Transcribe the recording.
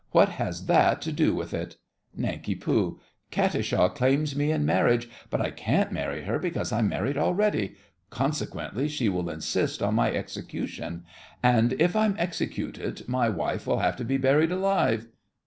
what has that to do with it? NANK. Katisha claims me in marriage, but I can't marry her because I'm married already—consequently she will insist on my execution, and if I'm executed, my wife will have to be buried alive.